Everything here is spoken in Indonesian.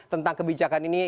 tentang kebijakan ini